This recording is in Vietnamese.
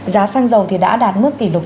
giá sang dầu thì đã đạt mức kỷ lục